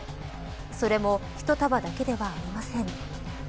それも１束だけではありません。